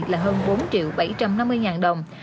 là hơn bốn triệu bảy trăm năm mươi đồng